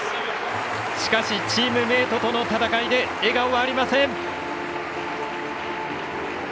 しかし、チームメートとの戦いで笑顔はありません。